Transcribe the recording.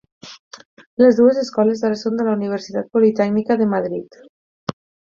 Les dues escoles ara són de la Universitat Politècnica de Madrid.